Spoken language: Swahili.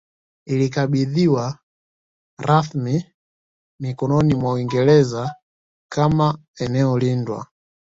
Ilikabidhiwa rasmi mikononi mwa Uingereza kama eneo lindwa